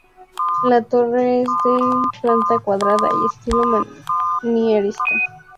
La torre es de planta cuadrada y estilo manierista.